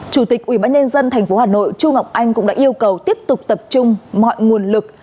chủ tịch ubnd tp hà nội chu ngọc anh cũng đã yêu cầu tiếp tục tập trung mọi nguồn lực